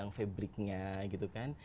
yang fabricnya gitu kan